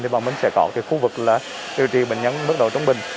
thì bọn mình sẽ có cái khu vực là điều trị bệnh nhân mức độ trống bình